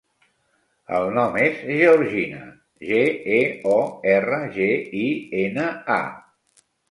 El nom és Georgina: ge, e, o, erra, ge, i, ena, a.